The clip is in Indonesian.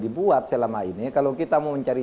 dibuat selama ini kalau kita mau mencari